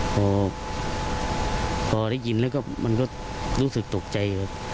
พอพอได้ยินแล้วมันก็รู้สึกตกใจ